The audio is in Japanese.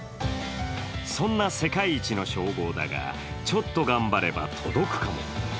そんな世界一の称号だが、ちょっと頑張れば届くかも。